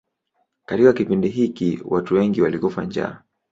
Katika kipindi hiki watu wengi walikufa njaa.